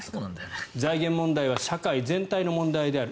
財源問題は社会全体の問題である。